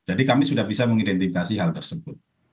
jadi kami sudah bisa mengidentifikasi hal tersebut